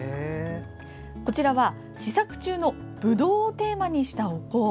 こちらは試作中のぶどうをテーマにしたお香。